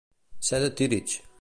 Ser de Tírig.